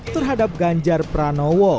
terhadap ganjar pranowo